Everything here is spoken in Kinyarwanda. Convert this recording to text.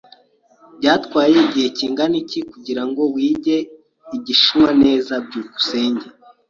Byatwaye igihe kingana iki kugirango wige Igishinwa neza? byukusenge